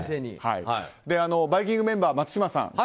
「バイキング」メンバー松嶋さん